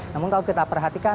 namun kalau kita perhatikan